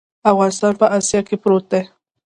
افغانستان په اسیا کې پروت دی.